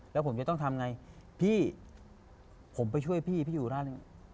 แล้วผมจะต้องทำไงพี่ผมไปช่วยพี่พี่อยู่ด้านหนึ่ง